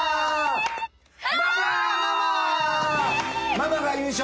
ママが優勝！